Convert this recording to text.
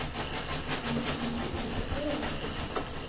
Але чаму так дорага?!